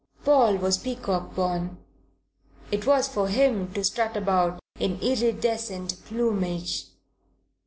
Paul was peacock born; it was for him to strut about in iridescent plumage.